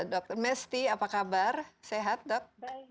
dr mesty apa kabar sehat dok